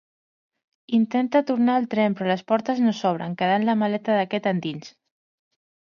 Intenta tornar al tren però les portes no s'obren, quedant la maleta d'aquest endins.